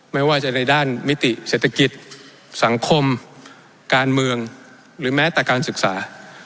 ไม่ว่าจะในด้านมิติเศรษฐกิจสังคมการเมืองหรือแม้แต่การศึกษา